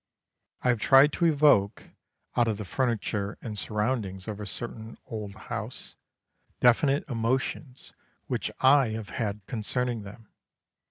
I have tried to evoke, out of the furniture and surroundings of a certain old house, definite emotions which I have had concerning them.